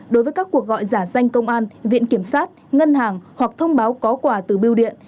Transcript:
đối với các cuộc gọi giả danh công an viện kiểm sát ngân hàng hoặc thông báo có quà từ biêu điện